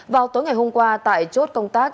vào tối ngày hôm qua tại chốt công tác